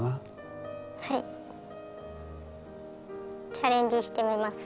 チャレンジしてみます。